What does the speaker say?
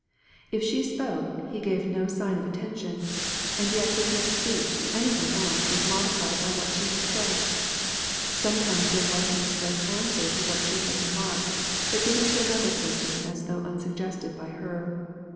If she spoke, he gave no sign of attention, and yet his next speech to any one else was modified by what she had said; sometimes there was an express answer to what she had remarked, but given to another person as though unsuggested by her.